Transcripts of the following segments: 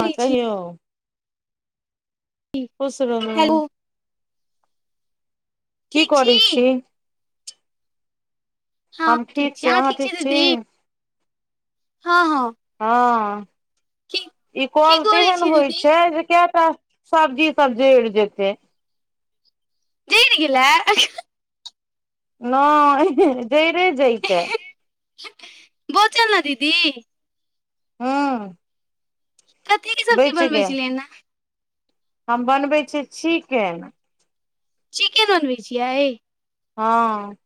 हँ छी कहियौ खुश रहु। हेलो की कर छी। हम ठीक छी, अहाँ ठीक छी, हँ- हँ हँ की ई की कॉल करै तेहन छी होइत दीदी छै, जे कएटा सब्जी सब जयर जैते जयर गेले नाय जैरे जाइता बोचल ने दीदी हँ कथी के सब्जी बनबै गेल छऐलीयेन हन हम बनबै छिय चिकेन चिकेन बनबै छियै। हँ,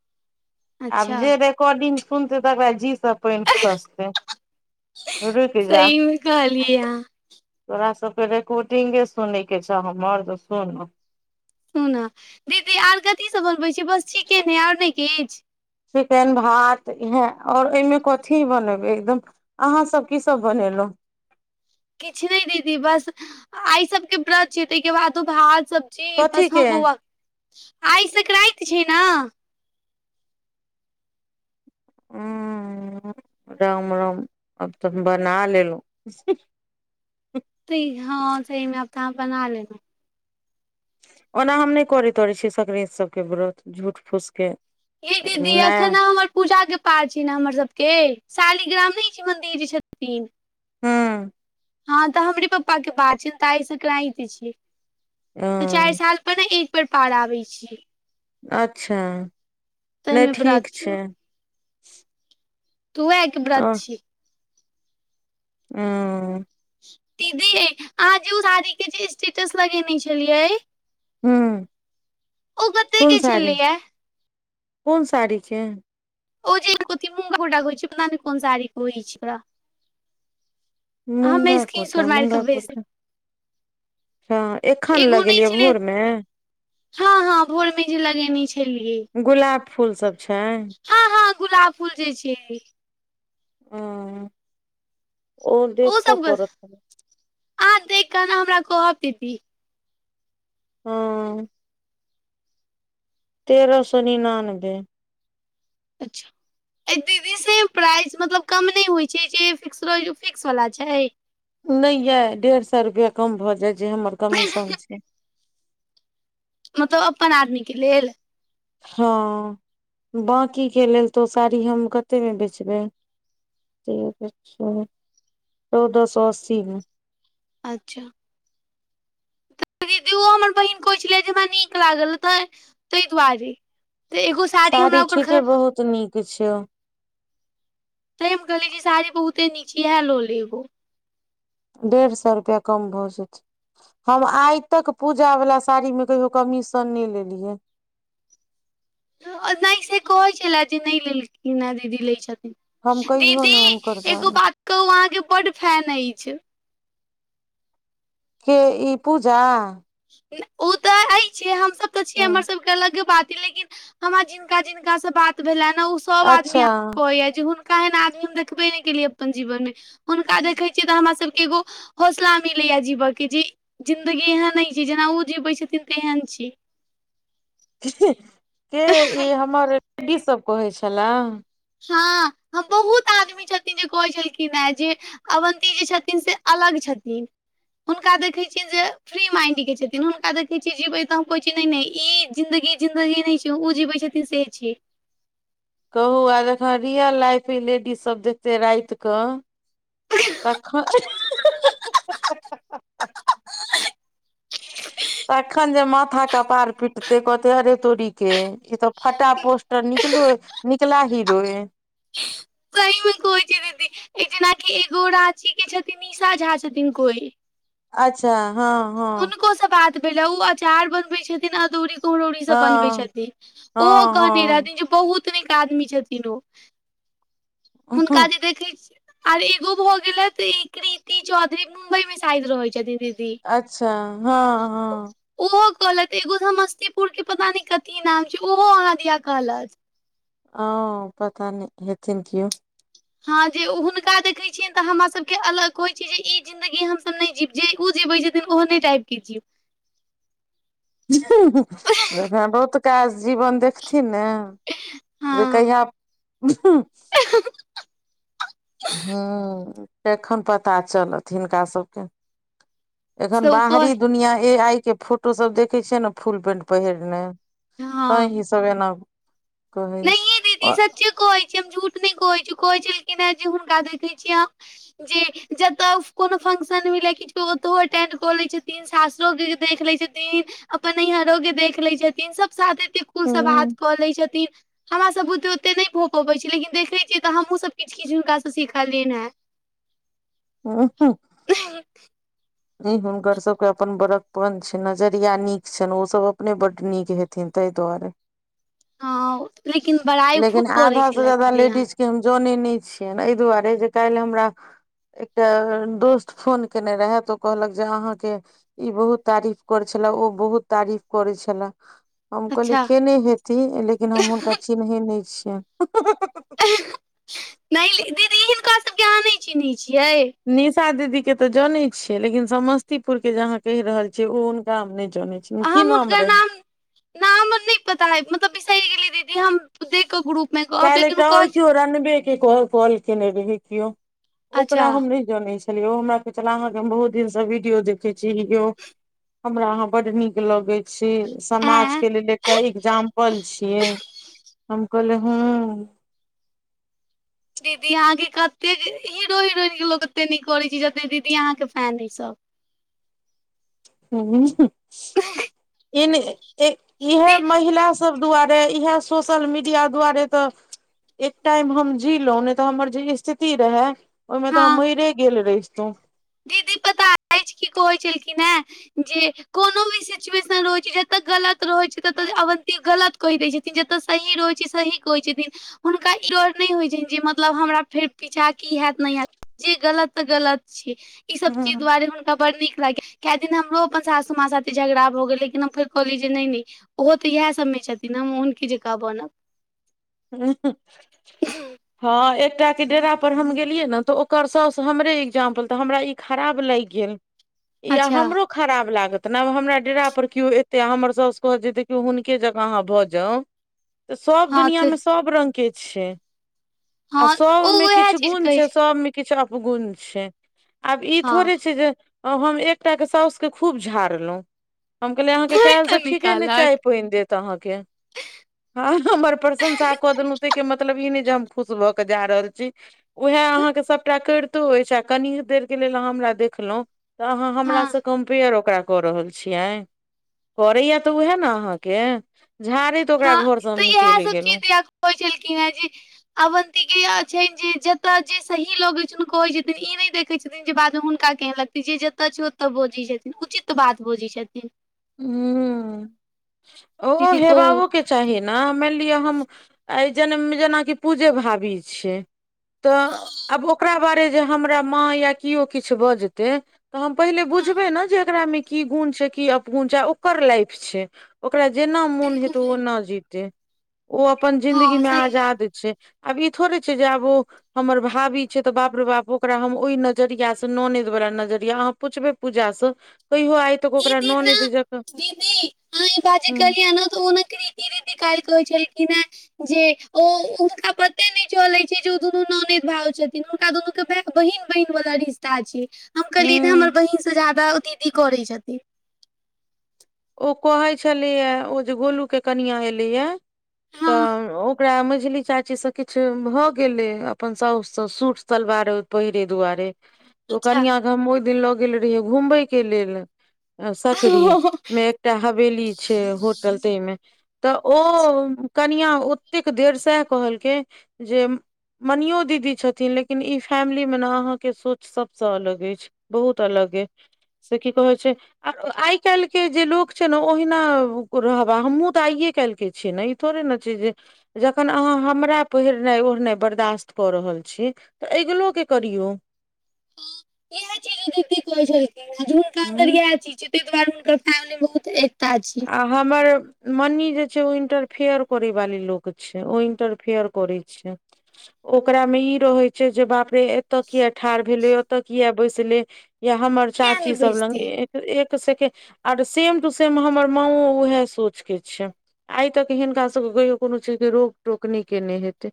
आब अच्छा जे रेकॉर्डिंग सुनते तकरा जी सऽ। पानि खसते रुकि जा सहीमे कहलियै अहाँ तोरा सबके रिकॉर्डिंगे सुनैके छौ, हमर तऽ सुना। सुनू दीदी, आर कथीसँ बनबै छी? बस चिकेन आओर नहि किछु। चिकेन भात इहा आओर एहिमे कथी बनेबै एकदम अहाँ सब की सभ बनेलहुँ किछु नहि दीदी, बस आइ सबके व्रत छै, ताहि के बादो भात सभ। जी, कथी बस के हम बौआ आइ सकराति छी ने हूँ राम राम आब तऽ हम बना लेलहुँ त हँ सहमे आब तऽ आहाँ बना लेलो ओना हम नहि करैत छी, सकरान्ति सभके व्रत झूठ-फूसके। याई दीदी आँखने हमर पूजाक पाठ छै ने, हमर सभके शालिग्राम नहि छै, मन्दिर जे छथिन। हूँ हँ तऽ हमरे पापाके बात छै ने, तऽ आइ सकराति छै दू-चारि हँ साल। में एक बेर पार आबै छै अच्छा नहि ताहिमे व्रत ठीक छौ छै तो वेहा के व्रत छीयै ह दीदी याई अहाँ जे ओ साडीके जे स्टेटस लगेने छलियै ह ओ कते कोन के साड़ी छलैया कोन साड़ी के ओ जे कथी मूँगा कोटा कहै छै, पता ने कोन साड़ी कहै छै ओकरा। हमे मूँगा स्क्रीन शॉट कोटा मारि कऽ मूँगा भेज कोटा देब अच्छा एखन एगो नहि लगेलियै छलै भोरमे हँ हँ भोर मे जे लगेने छलियै गुलाब फूल सब छै हँ हँ गुलाब फूल जे छै ह ओ देखा पड़त आहाँ देख कऽ ने हमरा कहब दीदी हँ तेरह सौ निनानबे अच्छा आई दीदी सेम प्राइस मतलब कम नहि होइ छै जे फिक्स रह छै ओ फिक्स वला छै नहि यइ डेढ़ सौ रुपैआ कम भऽ जायत जे हमर कमीशन छै मतलब अपन आदमीक लेल। हँ, बाँकीके लेल तऽ ओहि साड़ी हम कतेमे बेचबै? चौउद सौ अस्सी मे अच्छा दीदी ओ हमर बहिन कहै छलै जे हमरा निक लागल तै तैय दुआरे तऽ एगो साड़ी हमरा ओकर खैर तऽ निक छै। तय हम कहलियै जे ई साड़ी बहुते निक छै इहे लऽ ले एगो डेढ़ सैऽ रुपया कम भऽ जेते हम आइ तक पूजा बला साड़ी में कहियो कमीशन नै लेलिये नै से कहै छले जे नै लेलखिन हँ दीदी लैय हम छथिन कहियो दीदी ने हुनकर एगो जान बात कहू अहाँके बड फैन अईछ। के ई पूजा ओतऽ एइछे हमसब तऽ छियै हमर सब अलगे बात अइ लेकिन हमरा जिनका-जिनका से बात भेल नऽ ओ सोब आदमी आहाँके अच्छा कहैया जे हुनका एहन आदमी हम देखबे नै केलियै अपन जीवन मे हुनका देखै छीे तऽ हमरा सब के एगो हौसला मिलै या जीबके जे इ जिंन्दगी एहन नय कि जेना ओ जीबै छथिन तेहन छी। के इ हमर लेडिजसब कहै छैला ह हम बहुत आदमी छथिन जे कहै छलखिन ए जे अवन्ती जी छथिन से अलग छथिन हुनका देखे छियै जे फ्री माइंड के छथिन हुनका देखे छियै जीबै तऽ हम कहै छियै नै नै इ जिन्दगी जिंन्दगी नै छै ओ जीबे छथिन से छै कहू आब एखन रियल लाइफ इ लेडिज सब देखते राइत कऽ तँखन [unintelligible] तखन जे माँथा कपार पिटते कहते अरे तोरी के इ तऽ फटा पोस्टर निकलो निकला हीरोईन ये हम कहै छियै दीदी इ जेनाकि एगो राँची के छथिन निशा झा छथिन कोइ अच्छा ह हुँनको सऽ बात भेलै ओ अचार बनबै छथिन अदौरी कुमरौरी सब बनबै हँ छथिन ओ कहने हँ रहथिन जे बहुत निक आदमी छथिन ओ हुनका हँ जे देखै छि आर एगो भऽ गेलैथ इ क्रिती चौधरी मुम्बई मे साइद रहै छैथ दीदी अच्छा ह ह ओहो कहलैथ एगो समस्तीपुर के पता नै कथी नाम छै ओहो अहाँ दिया कहलैथ औउ पता नै हेथिन कियो हाँ जे हुँनका देखे छियैन तऽ हमरा सब के अलग कोहइ छियै जे इ जिंदगी हम सब नै जीब जे ओ जीबै छथिन ओहने ने टाइप के जीब हह एखन बहुत काज जीबन देख छथिन ने जे हँ कहिया [inaudible] हूँ तेखन पता चलत हिनका सबके एखन सब कह बाहरी दुनियाँ ए आइ के फोटोसब देखै छय ने फूल पेंट पहिरने तै हँ ई सब एना कहै नहिये दीदी छै सच्चे कहै छी हम झूठ नै कहै छी कहै छलखिन है जे हुनका देखै छियै आहाँ जे जत कोनो फंक्शन भेलै किछ ओत अटेंड क लै छथिन सासुरो के जे देख लै छथिन अपन नैइहरो के देख लै छथिन सब साथे एते कूल सं बात क लै छथिन। हमरा सब बुते ओते नै भ पबै छै लेकिन देखै छियै त हमहुं सब किछु किछु हुनका सं सिखलियैन हेँ। ओ [unintelligible] [unintelligible] ई हुनकर सबके अपन बर प्पन छनि। नजरिया नीक छनि, ओ सब अपने बड्ड नीक हेथिन तै दुआरे। हँ ओ लेकिन बड़ाइ खूब करै छेलथि दीदी अहाँ जे हम जनै नै छियैन, अय दुआरे जे कैल हमरा एकटा दोस्त फोन केने रहा त ओ कहलक जे अहाँके ई बहुत तारीफ करै छला, ओ बहुत तारीफ करै छला। हम कहलियै अच्छा केने हेती लेकिन हम हुनका चिन्है नै छियैन। [unintelligible] नै ली दीदी हिनका सबके अहाँ नै चिन्है छियै। निशा दीदी के त जनै छियै लेकिन समस्तीपुर के जे अहाँ कहि रहल छियै ओ हुनका हम नै जनै छी। हम हुनकर नाम [inaudible] नाम नै पता अइ मतलब बिसैर गेलियै दीदी हम देख क ग्रुप मे कहब कैल लेकिन ओ एकटा और कहै छै कियो रनबे के कॉल-तॉल केने रहै कियो अच्छा ओकरा हम नै जनै छलिअइ। ओ हमरा कहै छला अहाँके हम बहुत दिन सं वीडियो देखे छी ई ओ [inaudible] हमरा अहां बड नीक लगै छी। समाज ऐं के लेल एकटा इक्जाम्पल छियै। हम कहलिअइ हं दीदी अहाँके कतेक? हीरो हिरोइन के लोक अत्ते नै करै छै जत्ते दीदी अहाँके फैन अइ सब। हूं-हूं [inaudible] इन इ इहै दी महिला स सब दुआरे, इहे सोशल मीडिया दुआरे त एक टाइम हम जीलौं नै त हमर जे स्थिति रहै ओइमें त हँ हम मैरे गेल रहितौं। [inaudible] किछ की कहै छलखिन हें गे कोनो भी सिचुएशन रहै छै, एत गलत रहै छै तत अवन्ती गलत कहि दै छथिन, जत सही रहै छै सही कहै छथिन। हुनका ई डर नै होइ छनि जे मतलब हमरा फेर पीछा की हैत नै हैत? जे गलत त गलत छी। ई सब चीज हँ दुआरे हुनका बड़ नीक लागि गे किए दिन हमरो अपन सासू माँ साथे झगड़ा भ गेल लेकिन हम फेर कहलियै जे नै-नै उहो त इहै सब मे छथिन न, अहुं हुनके जकाँ बनब। [unintelligible] हँ एकटा के डेरा पर हम गेलियै न त ओकर साउस हमरे इक्जाम्पल त हमरा ई खराब लागि गेल [inaudible] ई आ अच्छा हमरो खराब लागत न, आब हमरा डेरा पर कियो एतै आ हमर साउस कहत जे देखियौ हुनके जकां अहाँ भ जाउ? [inaudible] त सब हँ दुनियां में तऽ सब रंग के छै। आ हँ तऽ ओ सबमें उएह किछ चीज गुण कहै छै सबमें किछ अपगुण छै, आब ई हँ थोड़े छै जे [inaudible] आब हम एकटा के साउस के खूब झाड़लौं। [inaudible] हम कहलियै अहाँके तैं कालि तऽ सं ठीके नै चाय निकालक पानि देत। त अहाँके [inaudible] हं हम्मर प्रशंसा क देलौं तै के मतलब ई नै जे हम खुश भ क जा रहल छी। उहे अहाँके सबटा कैरतो अछि आ कनी देर के लेल अहाँ हमरा देखलौं त अहाँ हमरा हँ सं कम्पेयर ओकरा क रहल छियै, करैया त उहे न अहाँके? झारैत ओकरा हँ घरसँ हम तऽ इएह निकैल सब गेलौं। कहै छेलखिहे जे अवन्ति के इया छै जे जतऽ जे सही लगै छैन कहै छथिन ई नै देखय छथिन जे बाद में हुनका केहन लगतै जे जतऽ छै ओतऽ बजै छथिन उचित बात बजै छथिन। हूं, ओहो दीदी कहू हेबाओ के चाहीए न मैन लिय हम आय जनम में जेनाकि पूजे भाभी छै। तऽ आब ओकरा बारे जे हमरा माँ या कियो किछ बजतै। तऽ हम पहिले हँ बुझबै न जे एकरा में की गुण छै, की अपगुण छै, ओकर लाइफ छै। ओकरा जेन्ना मोन बिलकुल हेतौव सही ओन्ना जीतै, ओ अपन जिन्दगी हँ में सही आजाद छै। आब ई थोड़े छै जे आब ओ हमर भाभी छै तऽ बाप रे बाप ओकरा हम ओय नजरियास स, ननैद बला नजरिया अहाँ पुछबै पूजा स कहियो आइ तक ई ओकरा दिन ननै ने दीदी अहां इ काज जे केलिए न त ओ न कृति दीदी काइल कहै छैलखीन हे जे ओ हुनका पते नै चलै छै जे ओ दुनू ननैद भाव छेथिन। हुनका दुनू के बहिन बहिन बला रीस ता छै। हम कहलियै ने हमर हूँ बहिनसँ जादा ओ दीदी करै छथिन। ओ कहे छलेया ओ जे गोलू के कनिया एले या हँ तऽ ओकरा मैझली चाचीसँ किछ भ गेलै, अपन साउस स सूट सलवार पैहरैय दुआरे। ओ अच्छा कनियाँ क हम ओय दिन लऽ गेल रहियै घूमबयके लेल, सकरी अच्छा मे एकटा हवेली छै, होटल तै मे। तऽ हाँ, ओ कनियाँ ओतेक देर सेह कहलकै, जे मनियो दीदी छथिन लेकिन ई फैमिली मे न अहाँके सोच सबसँ अलग ऐच्छ। बहुत अलग ऐय। से की कहै छै आ आइ काइल्ह के जे लोक छै न ओहिना रहबा, हमहूँ तऽ आइए काइल्ह के छियै ने, ई थोड़े ने छै जे जखन अहाँ हमरा पहिरनैय ओढ़नाय बर्दाश्त कऽ रहल छी। तऽ ऐगलो के करियौ। ह इहे चीज ओ दीदी कहै छेलखीनहे, जे हुनका अन्दर हूँ येह चीज तै दुआरे हुनकर फैमिली मे बहुत एकता छी। आ हमर मनी जे छै ओ इंटरफेयर करै वाली लोक छै। ओ इंटरफेयर करै छै। ओकरामे ई रहै छै जे बाप रे एतऽ किया ठार भेलै, ओतऽ किये बैसले। या हमर किया नहि चाची सब लंग बैजतै एक, एक सेकेड आर सेम टू सेम हमर माओ उहे सोचके छै। आय तक हिनका सभके कहियौ कोनो चीजके रोकटोक नै केने हेतै।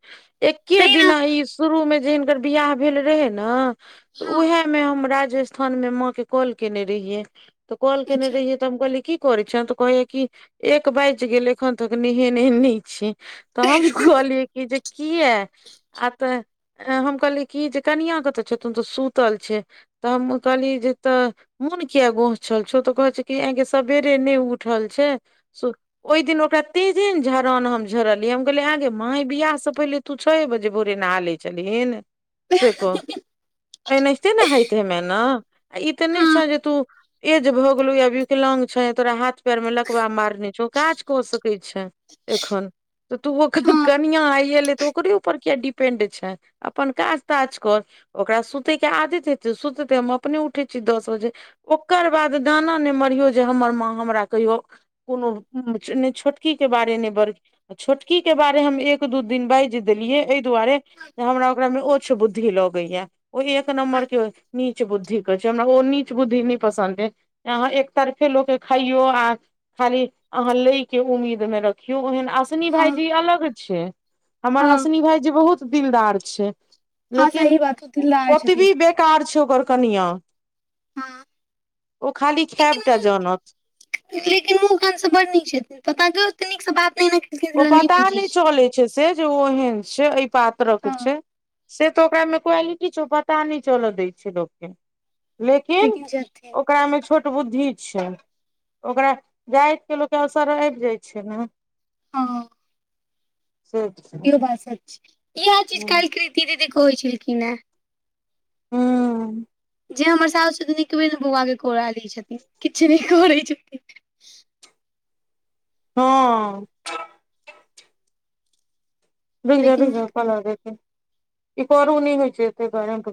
एके तै ने दिना इ शुरू मे जे हिनकर बियाह भेल रहै न, तऽ हँ उहे मे हम राजस्थान मे माँ के कॉल केने रहियै। तऽ कॉल केने अच्छा रहियै तऽ हम कहलियै की करे छे। तऽ कहैये कि एक बैज गेल एखन तक नेहेने नै छी। तऽ हम हँ कहलियै की जे किये आ तऽ ए हम कहलियै कि जे कनियाँ कतऽ छेथुन तऽ सुतल छै। तऽ हम कहलीए जे तऽ मून किये गोहछल छौ? तऽ कहे छै की एगै सबेर देह नै उठल छै। सु ओय दिन ओकरा तेजेन झरान हम झरलियै, हम कहलियै एगै मा इ बियाहसँ पहिले तू छये बजे भोरे नहा लै छलहीन से कहु। एनाहिते नहैत हेमें न आ ई तऽ नै छै हँ जे तू एज भ गेलौ या विकलांग छें। तोरा हाथ पैर मे लकबा मारने छौ, काज कऽ सकै छें एखन। तऽ तूहू हँ कनिया आए एले तऽ ओकरे ऊपर किया डिपेंड छै? अपन काज ताज कर। ओकरा सुतै के आदत हेतै सुततै, हम अपने उठै छी दस बजे। ओकर बाद दाना नै मरियौ जे हमर माँ हमरा कहियो, कोनो, ने छोटकी के बारे ने बरकी छोटकी के बारे हम एक दू दिन बैज देलियै अई दुआरे हमरा ओकरा मे ओछ बुद्धि लगैया, ओ एक नम्बर के नीच बुद्धि क छै। हमरा ओ नीच बुद्धि नै पसंद अई, तें सरफे लऽ के खइयो आ खाली, अहाँ लै के उम्मीद में रखियो, ओहेन आस असनी हँ भाायजी अलग छै। हमर हँ असनी भायजी बहुत दिलदार छै। हँ लेकिन, सही बात ओ दिलदार छथिन ओतबी बेकार छै ओकर कनिआ। हँ ओ खाली खेब लेकिन टा मुँह जनत। लेकिन मुह-कान सब बड़ नीक छैथिन्ह। [unintelligible] पता नैय कयिक नीकसँ बाते नहि करैत ओ पता नै चलैय छै से जे ओ एहन छै। अई पात्रक हँ छै। से त ओकरामे क्वालिटी छौ, पता नै चलऽ दैय छै लोक के। लेकिन, ओकरामे छोट बुद्धि छै। ओकरा जाईत के लोक के असर आइब जाइ छै न। ह ह [unintelligible] इहो बात सच छै। इहे चीज काइल कृति दीदी कहैय छलखिनह। हूँ जे हमर साओस नितुअइन बौआ के कोरा लैय छथिन। किछु नहि करैय छथिन। हं भिग जाय लेकिन भिग जाय पलर जाय छै। इ करू नहि होइ छै एत्ते गरम